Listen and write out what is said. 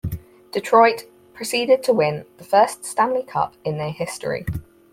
Detroit proceeded to win the first Stanley Cup in their history.